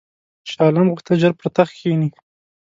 شاه عالم غوښتل ژر پر تخت کښېني.